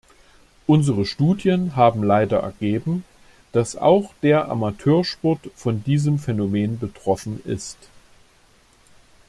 Unsere Studien haben leider ergeben, dass auch der Amateursport von diesem Phänomen betroffen ist.